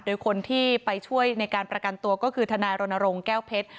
โดยคนที่ไปช่วยในการประกันตัวก็คือทนายรณรงค์แก้วเพชร